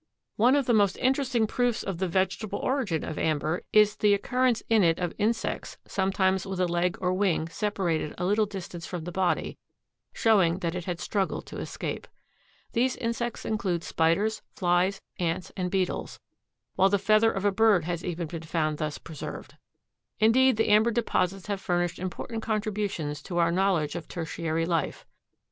One of the most interesting proofs of the vegetable origin of amber is the occurrence in it of insects, sometimes with a leg or wing separated a little distance from the body, showing that it had struggled to escape. These insects include spiders, flies, ants and beetles, while the feather of a bird has even been found thus preserved. Indeed the amber deposits have furnished important contributions to our knowledge of Tertiary life.